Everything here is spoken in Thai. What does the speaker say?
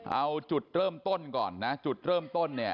เอาจุดเริ่มต้นก่อนนะจุดเริ่มต้นเนี่ย